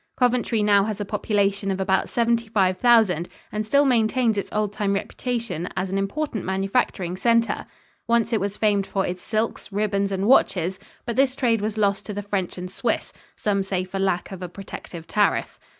Coventry now has a population of about seventy five thousand, and still maintains its old time reputation as an important manufacturing center. Once it was famed for its silks, ribbons and watches, but this trade was lost to the French and Swiss some say for lack of a protective tariff.